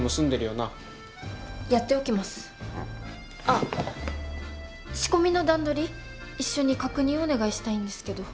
あっ仕込みの段取り一緒に確認をお願いしたいんですけど。